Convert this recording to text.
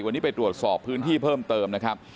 วันนี้ไปตรวจสอบพื้นที่เพิ่มเติมนะครับ